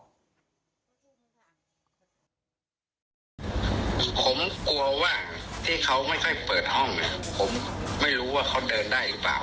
ผมกลัวว่าที่เขาไม่ค่อยเปิดห้องเนี่ยผมไม่รู้ว่าเขาเดินได้หรือเปล่า